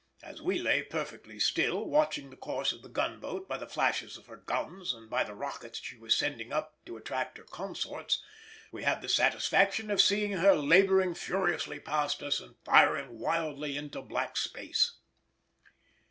As we lay perfectly still, watching the course of the gunboat by the flashes of her guns and by the rockets she was sending up to attract her consorts, we had the satisfaction of seeing her labouring furiously past us and firing wildly into black space.